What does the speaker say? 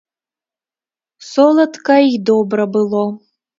Соладка й добра было.